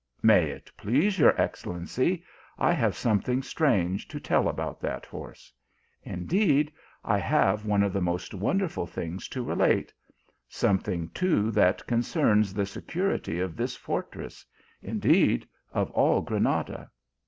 " May it please your excellency, I have something strange to tell about that horse. Indeed, I have one of the most wonderful things to relate somethi ng too that concerns the security of this fortress, indeed of all Granada.